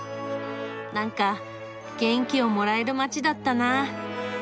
なんか元気をもらえる街だったな。